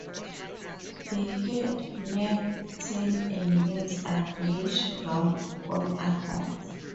The head, neck, tail, and limbs are grayish brown on adults.